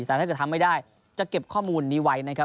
แต่ถ้าเกิดทำไม่ได้จะเก็บข้อมูลนี้ไว้นะครับ